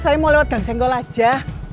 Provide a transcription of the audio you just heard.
saya mau lewat gang senggol aja